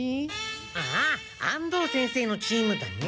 ああ安藤先生のチームだね。